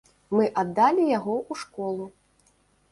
Мы аддалі яго ў школу.